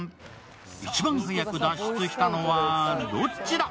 一番早く脱出したのはどっちだ？